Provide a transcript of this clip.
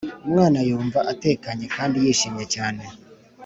Umwana Yumva Atekanye Kandi Yishimye Cyane